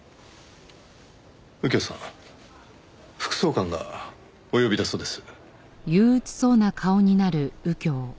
右京さん副総監がお呼びだそうです。